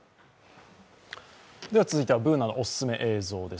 続いてはＢｏｏｎａのおすすめ映像です。